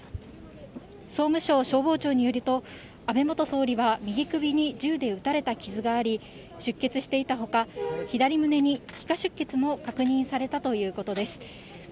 総務省消防庁によると、安倍元総理は、右首に銃で撃たれた傷があり、出血していたほか、左胸に皮下出血も確認されたということです。